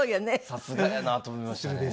さすがやなと思いましたね。